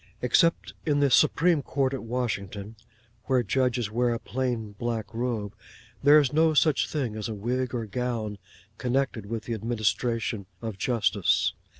Except in the Supreme Court at Washington (where the judges wear a plain black robe), there is no such thing as a wig or gown connected with the administration of justice.